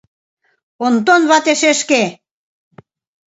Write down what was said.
Онтон вате шешке!